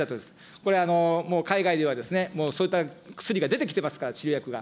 これ、もう海外ではもうそういった薬が出てきてますから、治療薬が。